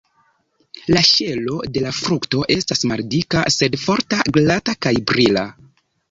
La ŝelo de la frukto estas maldika, sed forta, glata kaj brila.